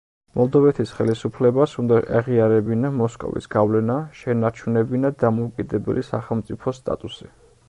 მოლდოვეთის ხელისუფლებას უნდა ეღიარებინა მოსკოვის გავლენა, შეენარჩუნებინა დამოუკიდებელი სახელმწიფოს სტატუსი.